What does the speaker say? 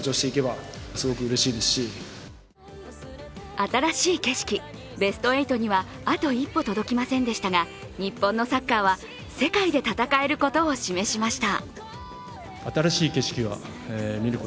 新しい景色、ベスト８にはあと一歩届きませんでしたが、日本のサッカーは、世界で戦えることを示しました。